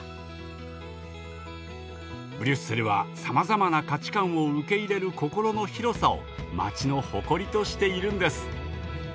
ブリュッセルはさまざまな価値観を受け入れる心の広さを街の誇りとしているんです。